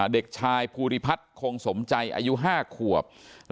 เด็กชายภูริพัฒน์คงสมใจอายุ๕ขวบ